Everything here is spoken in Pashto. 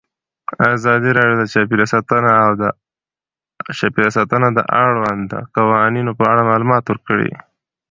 ازادي راډیو د چاپیریال ساتنه د اړونده قوانینو په اړه معلومات ورکړي.